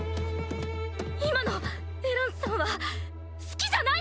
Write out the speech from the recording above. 今のエランさんは好きじゃないです！